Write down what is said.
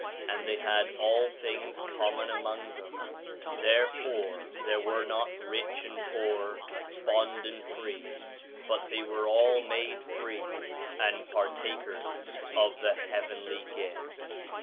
4 Nephi 1:3 And they had all things common among them; therefore there were not rich and poor, bond and free, but they were all made free, and partakers of the heavenly gift.